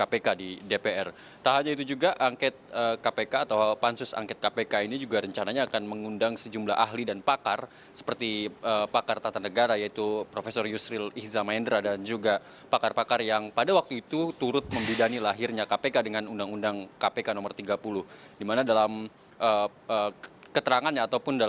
apa perkembangan terbaru yang dihasilkan dari rapat pansus hak angket kpk